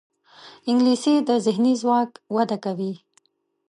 انګلیسي د ذهني ځواک وده کوي